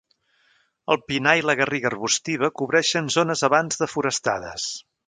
El pinar i la garriga arbustiva cobreixen zones abans desforestades.